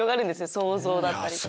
想像だったりとか。